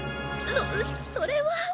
そそれは。